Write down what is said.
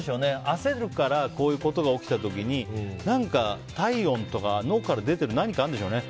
焦るからこういうことが起きた時に体温とか脳から出ている何かあるんでしょうね。